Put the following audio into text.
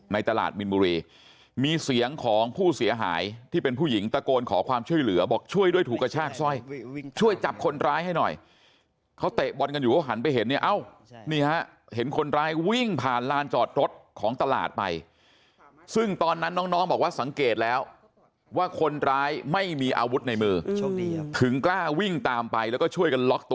ตลาดมินบุรีมีเสียงของผู้เสียหายที่เป็นผู้หญิงตะโกนขอความช่วยเหลือบอกช่วยด้วยถูกกระชากสร้อยช่วยจับคนร้ายให้หน่อยเขาเตะบอลกันอยู่เขาหันไปเห็นเนี่ยเอ้านี่ฮะเห็นคนร้ายวิ่งผ่านลานจอดรถของตลาดไปซึ่งตอนนั้นน้องบอกว่าสังเกตแล้วว่าคนร้ายไม่มีอาวุธในมือถึงกล้าวิ่งตามไปแล้วก็ช่วยกันล็อกตัว